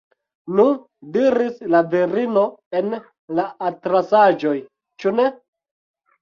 Nu, diris la virino en la atlasaĵoj, ĉu ne?